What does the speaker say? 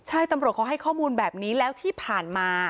ใช่ตำรวจเขาให้ข้อมูลแบบนี้แล้วที่ผ่านมา